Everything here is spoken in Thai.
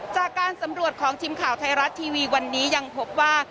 จากการสำรวจของทีมข่าวไทยรัฐทีวีวันนี้ยังพบว่า